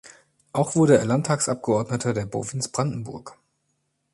Auch wurde er Landtagsabgeordneter der Provinz Brandenburg.